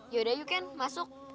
yaudah yuk ken masuk